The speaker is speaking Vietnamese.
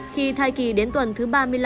khi thai kỳ đến tuần thứ ba mươi năm